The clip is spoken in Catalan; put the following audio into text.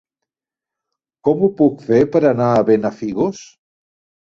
Com ho puc fer per anar a Benafigos?